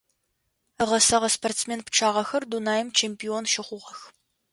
Ыгъэсэгъэ спортсмен пчъагъэхэр дунаим чемпион щыхъугъэх.